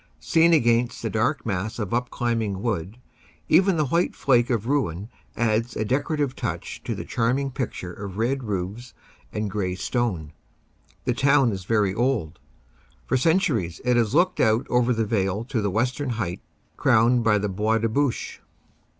Seen against the dark mass of up climbing wood, even the white flake of ruin adds a decorative touch to the charming picture of red roofs and gray stone. The town is very old. For cen turies it has looked out over the vale to the western heights crowned by the Bois de Bouche.